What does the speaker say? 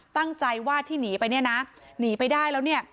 ตั้งใจว่าที่หนีไปเนี่ยนะหนีไปได้แล้วเนี่ย